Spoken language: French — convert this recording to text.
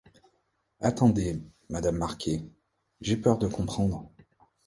Attendez, Madame Marquet, j’ai peur de comprendre…